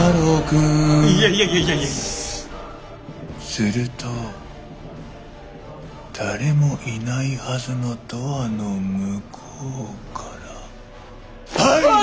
すると誰もいないはずのドアの向こうからはい！